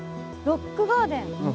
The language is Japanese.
ロックガーデン。